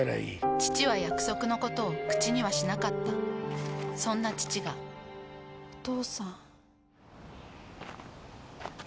父は約束のことを口にはしなかったそんな父がお父さん。